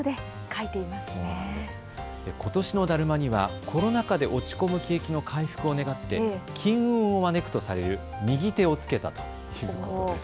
ことしのだるまにはコロナ禍で落ち込む景気の回復を願って金運を招くとされる右手を付けたということです。